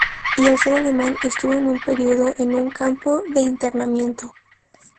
Y al ser alemán, estuvo un período en un campo de internamiento.